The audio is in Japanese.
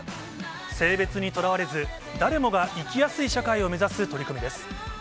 性別にとらわれず、誰もが生きやすい社会を目指す取り組みです。